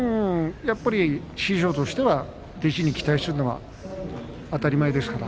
師匠としては弟子に期待するのは当たり前ですから。